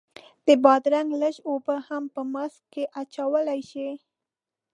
د بادرنګ لږې اوبه هم په ماسک کې اچولی شئ.